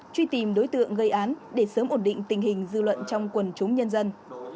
truy tìm đối tượng gây án để sớm ổn định tình hình dư luận trong quần chúng nhân dân